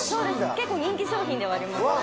結構人気商品ではあります